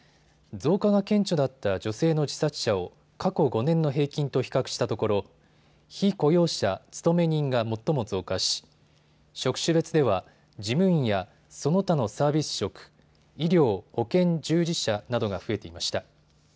増加が顕著だった女性の自殺者を過去５年の平均と比較したところ被雇用者・勤め人が最も増加し職種別では事務員や、その他のサービス職、医療・保健従事者などが増えていました。